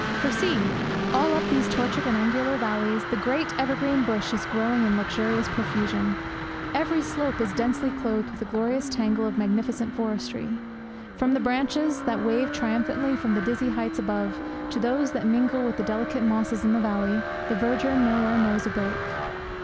For see! All up these tortured and angular valleys the great evergreen bush is growing in luxurious profusion. Every slope is densely clothed with a glorious tangle of magnificent forestry. From the branches that wave triumphantly from the dizzy heights above, to those that mingle with the delicate mosses in the valley, the verdure nowhere knows a break.